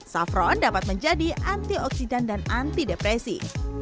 saffron dapat menjadi antioksidan dan anti depresi